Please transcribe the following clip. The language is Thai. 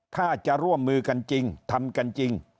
ถ้าจะร่วมมือกันจริงทำกันจริง